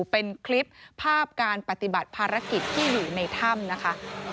เป็นคลิปภาพการปฏิบัติภารกิจที่อยู่ในถ้ำนะคะ